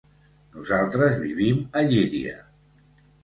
Nosaltres vivim a Llíria.